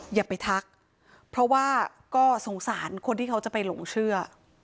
อย่าไปทักเพราะว่าก็สงสารคนที่เขาจะไปหลงเชื่อ